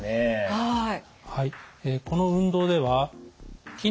はい。